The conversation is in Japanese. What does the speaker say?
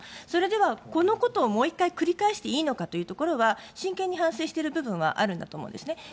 それではこのことをもう一回繰り返していいのかという部分は真剣に反省している部分はあると思うんですね。